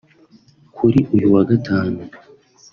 kuri uyu wa Gatanu